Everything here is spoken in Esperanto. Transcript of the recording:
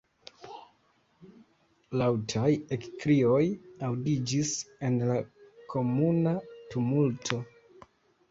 Laŭtaj ekkrioj aŭdiĝis en la komuna tumulto.